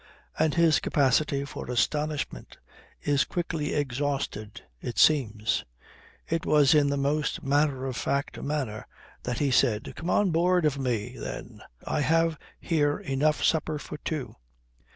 "And his capacity for astonishment is quickly exhausted, it seems. It was in the most matter of fact manner that he said, 'Come on board of me, then; I have here enough supper for two.'